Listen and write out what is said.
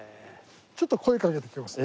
ちょっと声かけてきますね。